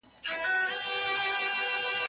په زرګونو یې تر خاورو کړله لاندي